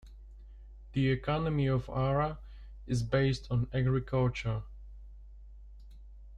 The economy of Hara is based on agriculture.